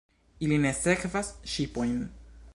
Ili ne sekvas ŝipojn.